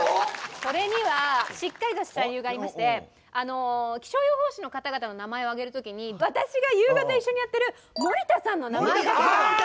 これにはしっかりとした理由がありまして気象予報士の方々の名前を挙げる時に私が夕方一緒にやってる森田さんの名前がなかった。